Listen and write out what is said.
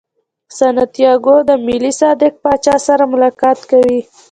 سانتیاګو د ملک صادق پاچا سره ملاقات کوي.